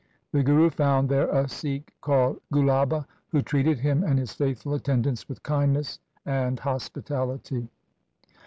The Guru found there a Sikh called Gulaba, who treated him and his faithful attendants with kindness and hospitality.